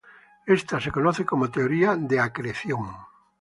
Ésta se conoce como teoría de acreción.